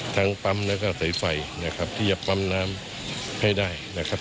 ทั้งปั๊มแล้วก็สายไฟนะครับที่จะปั๊มน้ำให้ได้นะครับ